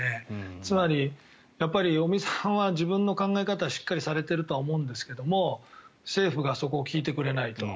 つまり、尾身さんは自分の考え方しっかりされているとは思うんですが政府がそこを聞いてくれないと。